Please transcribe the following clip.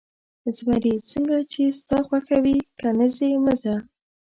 زمري: څنګه چې ستا خوښه وي، که نه ځې، مه ځه.